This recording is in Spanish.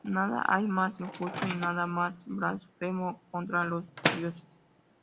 Nada hay más injusto y nada más blasfemo contra los dioses.